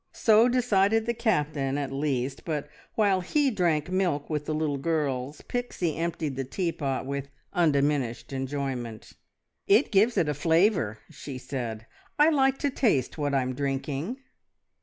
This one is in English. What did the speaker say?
So decided the Captain, at least, but while he drank milk with the little girls, Pixie emptied the tea pot with undiminished enjoyment. "It gives it a flavour," she said. "I like to taste what I'm drinking."